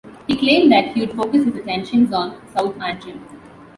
He claimed that he would focus his attentions on South Antrim.